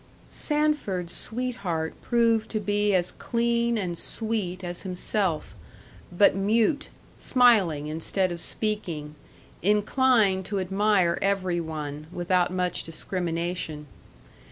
Sanford's sweetheart proved to be as clean and sweet as himself, but mute, smiling instead of speaking, inclined to admire every one, without much discrimination.